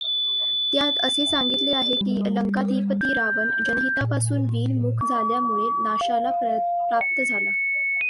त्यात असे सांगितले आहे की, लंकाधिपती रावण जनहितापासून विन् मुख झाल्यामुळे नाशाला प्राप्त झाला.